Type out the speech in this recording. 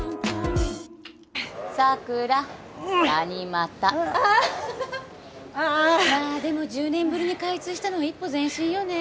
まあでも１０年ぶりに開通したのは一歩前進よね。